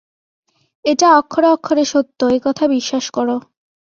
এটা অক্ষরে অক্ষরে সত্য, এ কথা বিশ্বাস কর।